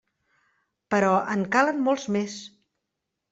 Però en calen molts més!